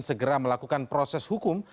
segera melakukan proses hukum